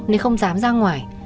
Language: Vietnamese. nên không dám ra ngoài